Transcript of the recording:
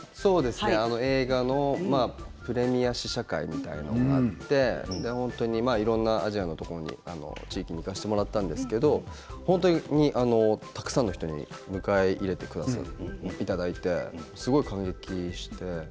映画のプレミア試写会みたいなのがあっていろんなアジアのところに地域に行かせてもらったんですけど本当にたくさんの人に迎え入れていただいてすごい感激して。